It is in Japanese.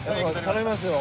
頼みますよ。